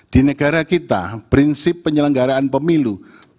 di negara kita prinsip penyelenggaraan pemilu